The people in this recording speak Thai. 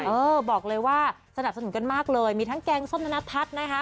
เออบอกเลยว่าสนับสนุนกันมากเลยมีทั้งแกงส้มธนทัศน์นะคะ